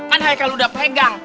kan haikal udah pegang